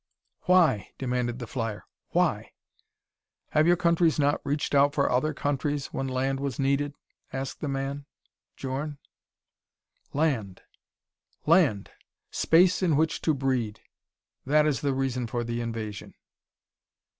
"Why?" demanded the flyer. "Why?" "Have your countries not reached out for other countries when land was needed?" asked the man, Djorn. "Land land! Space in which to breed that is the reason for the invasion.